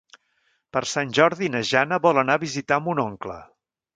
Per Sant Jordi na Jana vol anar a visitar mon oncle.